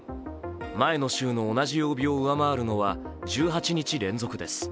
前の週の同じ曜日を上回るのは１８日連続です。